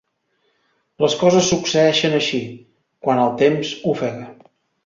Les coses succeeixen així, quan el temps ofega.